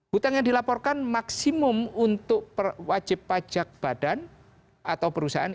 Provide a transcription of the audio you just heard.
hutang yang dilaporkan maksimum untuk wajib pajak badan atau perusahaan